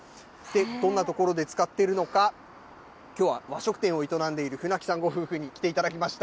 どんな所で使っているのか、きょうは和食店を営んでいる船木さんご夫婦に来ていただきました。